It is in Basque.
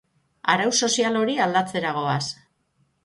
Arau sozial hori aldatzera goaz.